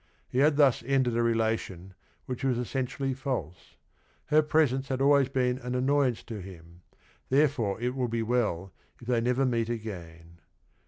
He had thus ended a relation which was essentially false. Her presence had always been an annoyance to him, therefore it will be well if they never meet again.